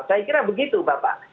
saya kira begitu bapak